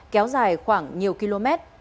kéo dài khoảng nhiều km